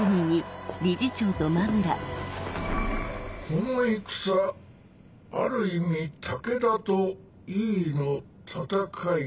この戦ある意味武田と井伊の戦いか。